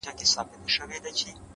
مهرباني د انسانیت بڼ خوشبویه کوي؛